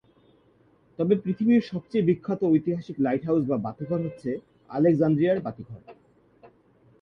তবে পৃথিবীর সবচেয়ে বিখ্যাত ঐতিহাসিক লাইট হাউজ বা বাতিঘর হচ্ছে আলেকজান্দ্রিয়ার বাতিঘর।